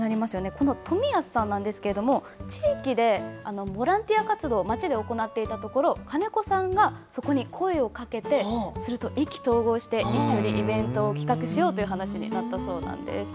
この冨安さんなんですけれども、地域でボランティア活動、町で行っていたところ、金子さんがそこに声をかけて、すると意気投合して、一緒にイベントを企画しようという話になったそうなんです。